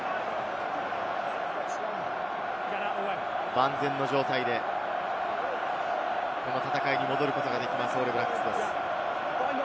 万全の状態でこの戦いに戻ることができます、オールブラックスです。